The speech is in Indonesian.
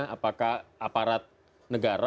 apakah aparat negara